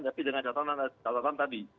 tapi dengan catatan tadi